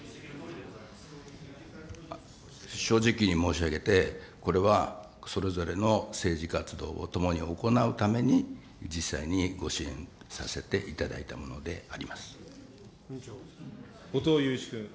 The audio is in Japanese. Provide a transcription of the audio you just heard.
正直に申し上げて、これはそれぞれの政治活動を共に行うために実際にご支援させてい後藤祐一君。